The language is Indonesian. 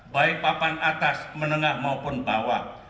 baik papan atas menengah maupun bawah